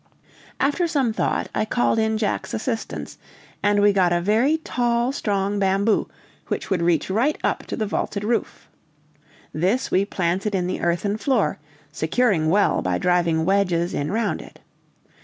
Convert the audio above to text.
After some thought, I called in Jack's assistance, and we got a very tall, strong bamboo, which would reach right up to the vaulted roof. This we planted in the earthen floor, securing well by driving wedges in round it.